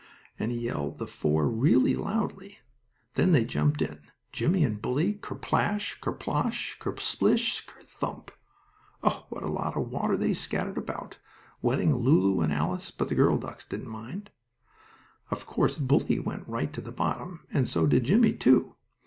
and he yelled the "FOUR" real loudly. Then they jumped in, Jimmie and Bully, ker splash, ker splosh, ker splish, ker thump! Oh what a lot of water they scattered about, wetting Lulu and Alice, but the girl ducks didn't mind it. Of course, Bully went right to the bottom, and so did Jimmie, too.